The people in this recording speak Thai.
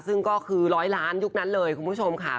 ซึ่งก็คือร้อยล้านยุคนั้นเลยคุณผู้ชมค่ะ